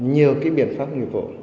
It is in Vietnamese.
nhiều cái biện pháp nhiệm vụ